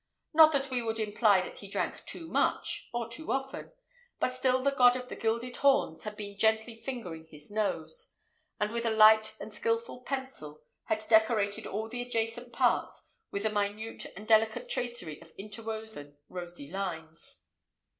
Not that we would imply that he drank too much or too often, but still the god of the gilded horns had been gently fingering his nose, and with a light and skilful pencil had decorated all the adjacent parts with a minute and delicate tracery of interwoven rosy lines.